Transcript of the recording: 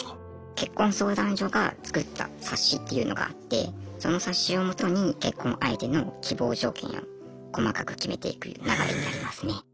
結婚相談所が作った冊子っていうのがあってその冊子を基に結婚相手の希望条件を細かく決めていく流れになりますね。